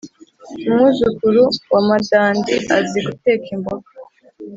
umwuzukuru wa madandi azi guteka imboga